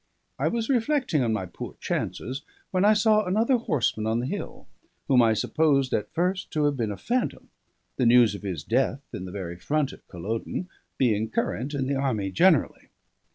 I was reflecting on my poor chances, when I saw another horseman on the hill, whom I supposed at first to have been a phantom, the news of his death in the very front at Culloden being current in the army generally.